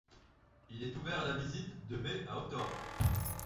Il est ouvert à la visite de mai à octobre.